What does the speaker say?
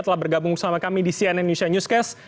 telah bergabung bersama kami di cnn indonesia newscast